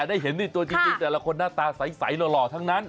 ได้เห็นในตัวจริงแต่ละคนหน้าตาใสหล่อทั้งนั้น